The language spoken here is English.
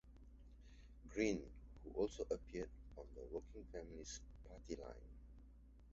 Green, who also appeared on the Working Families Party line.